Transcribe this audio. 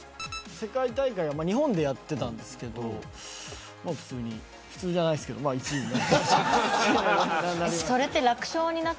世界大会を日本でやっていたんですけど普通じゃないですけど１位になって。